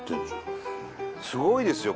すごいですよ